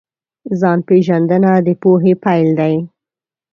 ځان پېژندنه د پوهې پیل دی.